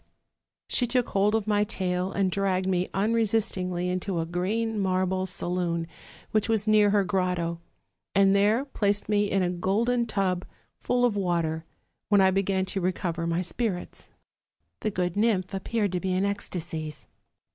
She took hold of my tail, and dragged me unresistingly into a green marble saloon, which was near her grotto; and there placed me in a golden tub full of water, when I began to recover my spirits. The good nymph appeared to be in ecstasies.